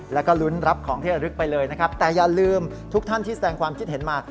แล้วก็ลุ้นรับของที่ระลึกไปเลยนะครับแต่อย่าลืมทุกท่านที่แสดงความคิดเห็นมา